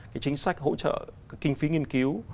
chính sách hỗ trợ kinh phí nghiên cứu